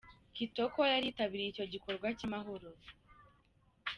Kitoko yari yitabiriye icyo gikorwa cy'amahoro.